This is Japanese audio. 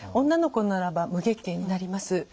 女の子ならば無月経になります。